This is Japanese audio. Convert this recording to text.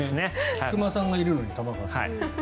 菊間さんがいるのに玉川さんも。